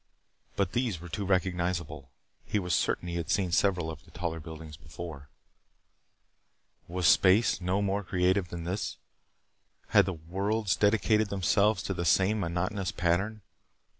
But these were too recognizable. He was certain that he had seen several of the taller buildings before. Was space no more creative than this? Had the worlds dedicated themselves to the same monotonous pattern?